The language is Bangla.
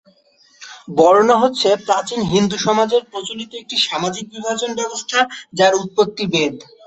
বর্ণ হচ্ছে প্রাচীন হিন্দু সমাজে প্রচলিত একটি সামাজিক বিভাজন ব্যবস্থা, যার উৎপত্তি বেদ।